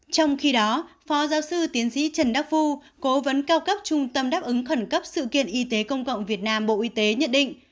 trong khi đó phó giáo sư tiến sĩ trần đắc phu cố vấn cao cấp trung tâm đáp ứng khẩn cấp sự kiện y tế công cộng việt nam bộ y tế nhận định